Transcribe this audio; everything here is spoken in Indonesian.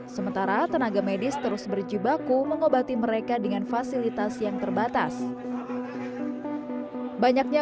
sementara tenaga medis terus berjibaku mengobati mereka dengan fasilitas yang terbatas banyaknya